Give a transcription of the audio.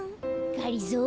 がりぞー